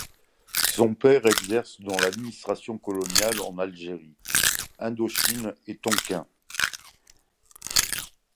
Son père exerce dans l'administration coloniale en Algérie, Indochine et Tonkin.